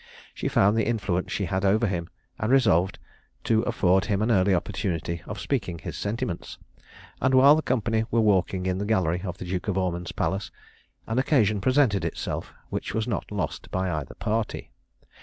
She found the influence she had over him, and resolved to afford him an early opportunity of speaking his sentiments; and while the company were walking in the gallery of the Duke of Ormond's palace, an occasion presented itself, which was not lost by either party.